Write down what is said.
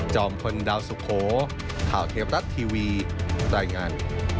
พลดาวสุโขข่าวเทวรัฐทีวีรายงาน